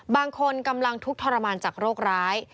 กำลังทุกข์ทรมานจากโรคร้าย